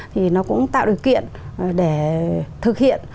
thì nó cũng tạo điều kiện để thực hiện